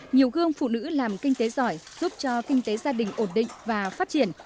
nhiều gương phụ nữ làm kinh tế giỏi giúp cho kinh tế gia đình ổn định và phát triển